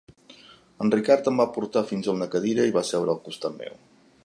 En Ricard em va portar fins a una cadira i va seure al costat meu.